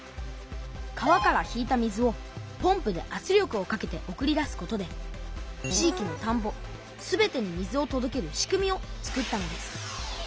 川から引いた水をポンプであつ力をかけて送り出すことで地域のたんぼ全てに水をとどける仕組みを作ったのです。